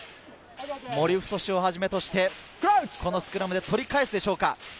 森太志をはじめとして、このスクラムで取り返すでしょうか？